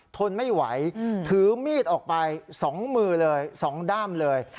ทนไม่ไหวถือมีดออกไป๒มือเลย๒ด้ามเลย